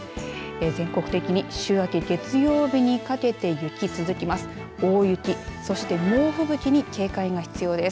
全国的に週明け月曜日にかけて雪、続きます。